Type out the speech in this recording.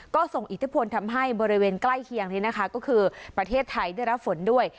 ก็ส่งอิทธิพลทำให้บริเวณใกล้เคียงนี้นะคะก็คือประเทศไทยได้รับฝนด้วย